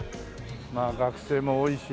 まあ学生も多いし。